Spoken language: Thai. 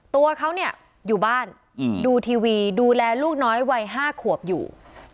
ตัวเขาเนี่ยอยู่บ้านดูทีวีดูแลลูกน้อยวัย๕ขวบอยู่